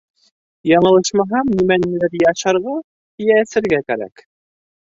Яңылышмаһам, нимәнелер йә ашарға, йә эсергә кәрәк.